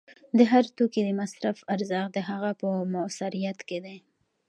د هر توکي د مصرف ارزښت د هغه په موثریت کې دی